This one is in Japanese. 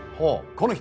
この人。